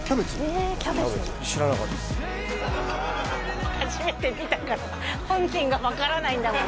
へえキャベツ知らなかった初めて見たから本人が分からないんだもん